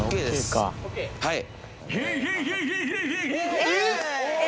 はい。